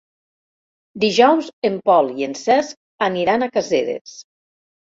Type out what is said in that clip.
Dijous en Pol i en Cesc aniran a Caseres.